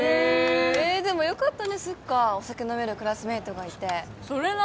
えでもよかったねスッカお酒飲めるクラスメイトがいてそれな！